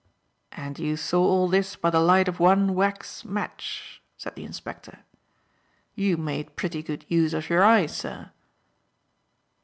"And you saw all this by the light of one wax match," said the inspector. "You made pretty good use of your eyes, sir."